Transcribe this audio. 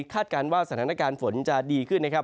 การว่าสถานการณ์ฝนจะดีขึ้นนะครับ